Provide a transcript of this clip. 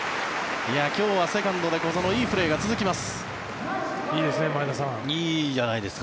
今日はセカンドの小園いいプレーが続きます。